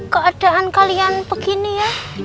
keadaan kalian begini ya